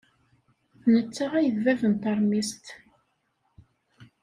D netta ay d bab n teṛmist.